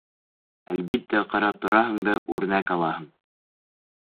Әлбиттә, ҡарап тораһың да үрнәк алаһың.